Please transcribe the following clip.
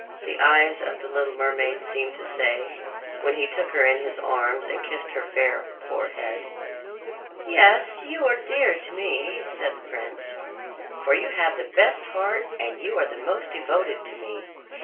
the eyes of the little mermaid seemed to say when he took her in his arms and kissed her fair forehead. "Yes, you are dear to me," said the prince, "for you have the best heart and you are the most devoted to me.